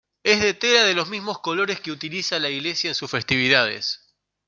Es de tela de los mismos colores que utiliza la iglesia en sus festividades.